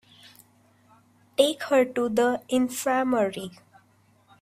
Take her to the infirmary.